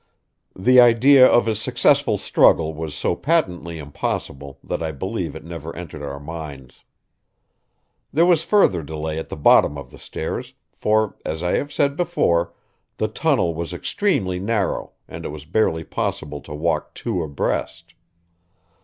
The idea of a successful struggle was so patently impossible that I believe it never entered our minds. There was further delay at the bottom of the stairs, for, as I have said before, the tunnel was extremely narrow and it was barely possible to walk two abreast.